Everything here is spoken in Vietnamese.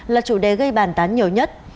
là chủ đề gây bàn tán nhiều nhất